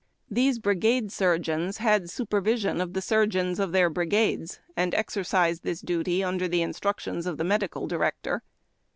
These brigade surgeons had supervis ion of the surgeons of their brigades, and exercised this duty under the instructions of the medical director.